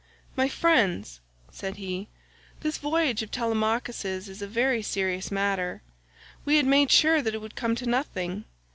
"My friends," said he, "this voyage of Telemachus's is a very serious matter; we had made sure that it would come to nothing.